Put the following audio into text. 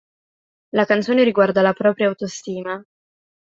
La canzone riguarda la propria autostima.